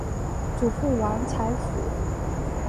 祖父王才甫。